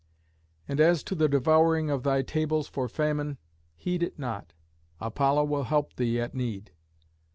And as to the devouring of thy tables for famine, heed it not: Apollo will help thee at need.